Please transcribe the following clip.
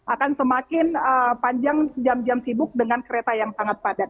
akan semakin panjang jam jam sibuk dengan kereta yang sangat padat